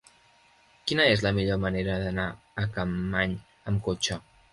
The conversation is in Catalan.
Quina és la millor manera d'anar a Capmany amb cotxe?